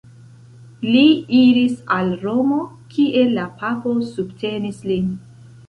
Li iris al Romo, kie la papo subtenis lin.